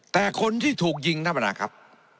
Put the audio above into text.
แต่คนที่ถูกยิงนะครับ